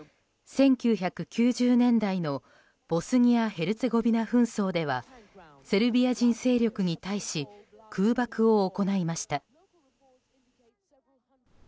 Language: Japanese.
１９９０年代のボスニア・ヘルツェゴビナ戦争ではセルビア人勢力に対し空爆を行いました。